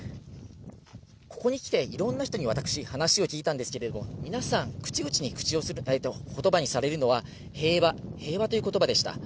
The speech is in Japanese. ここに来ていろんな人に私、話を聞いたんですけれども、皆さん、口々にことばにされるのは、平和、平和ということばでした。